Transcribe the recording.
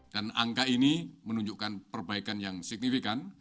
dan angka ini menunjukkan perbaikan yang signifikan